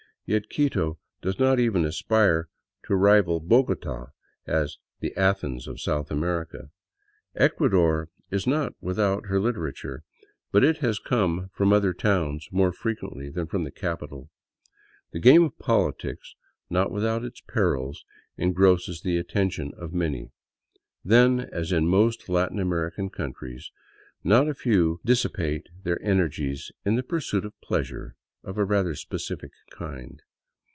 Yet Quito does not even aspire to rival Bogota as the " Athens of South America." Ecuador is not without her literature, but it has come from other towns more frequently than from the capital. The game of politics, not with out its perils, engrosses the attention of many. Then, as in most Latin American countries, not a few dissipate their energies in the " pursuit of pleasure " of a rather specific kind.